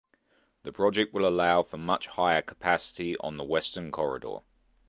The project will allow for much higher capacity on the Western Corridor.